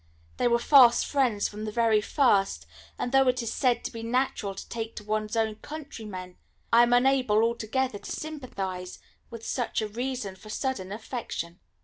They were fast friends from the very first, and though it is said to be natural to take to one's own countrymen, I am unable altogether to sympathise with such a reason for sudden affection.